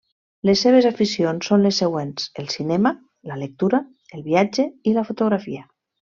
Les seves aficions són les següents: el cinema, la lectura, el viatge i la fotografia.